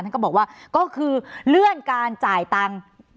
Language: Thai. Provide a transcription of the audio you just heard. ก็บอกว่าก็คือเลื่อนการจ่ายตังค์